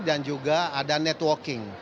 dan juga ada networking